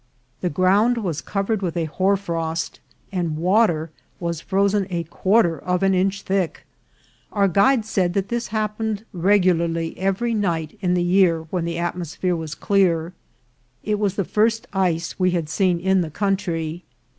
The ground was covered with a hoar frost, and water was frozen a quarter of an inch thick. Our guide said that this happened regularly every night in the year when the atmosphere was clear. It was the first ice we had seen in the country.